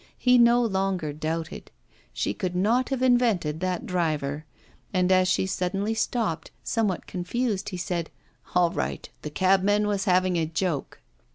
He no longer doubted. She could not have invented that driver. And as she suddenly stopped, somewhat confused, he said, 'All right, the cabman was having a joke.